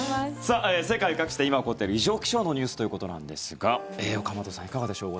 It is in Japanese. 世界各地で今、起こっている異常気象のニュースということなんですが岡本さん、いかがでしょう。